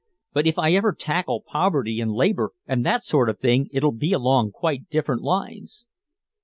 But if I ever tackle poverty and labor and that sort of thing it'll be along quite different lines."